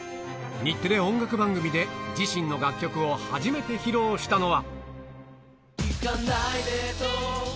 日テレ音楽番組で自身の楽曲を初めて披露したのは。